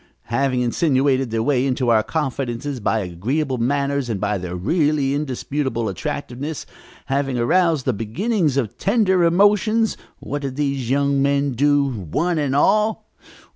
Having insinuated their way into our confidences by agreeable manners and by their really indisputable attractiveness, having aroused the beginnings of tender emotions, what did these young men do, one and all?